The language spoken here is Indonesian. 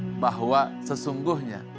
ingat bahwa sesungguhnya